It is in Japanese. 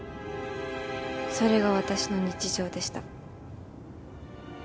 それが私の日常でした。